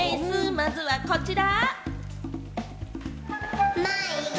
まずはこちら。